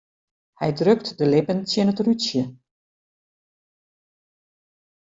Hy drukt de lippen tsjin it rútsje.